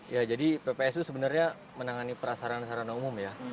ya jadi ppsu sebenarnya menangani perasaran perasaran umum ya